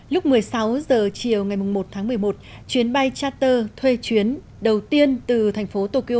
lúc một mươi sáu h chiều ngày một tháng một mươi một chuyến bay charter thuê chuyến đầu tiên từ thành phố tokyo